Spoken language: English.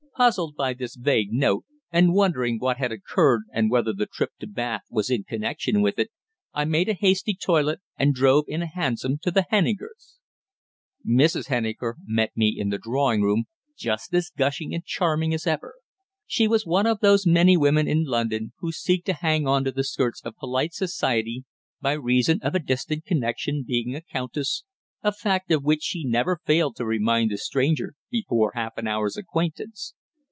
Puzzled by this vague note, and wondering what had occurred, and whether the trip to Bath was in connection with it, I made a hasty toilet and drove in a hansom to the Hennikers'. Mrs. Henniker met me in the drawing room, just as gushing and charming as ever. She was one of those many women in London who seek to hang on to the skirts of polite society by reason of a distant connexion being a countess a fact of which she never failed to remind the stranger before half an hour's acquaintance.